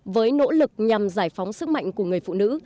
với nỗ lực nhằm giải phóng sức mạnh của người phụ nữ